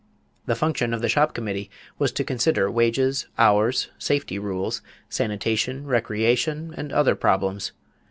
The function of the shop committee was to consider wages, hours, safety rules, sanitation, recreation and other problems.